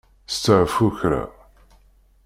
Steɛfu kra.